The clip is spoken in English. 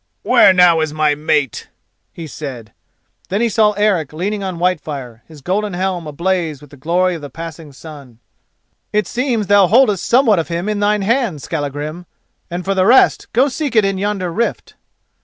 "Where now is my mate?" he said. Then he saw Eric leaning on Whitefire, his golden helm ablaze with the glory of the passing sun. "It seems that thou holdest somewhat of him in thine hand, Skallagrim, and for the rest, go seek it in yonder rift."